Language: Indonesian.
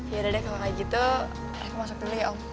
yaudah deh kalo gak gitu reva masuk dulu ya om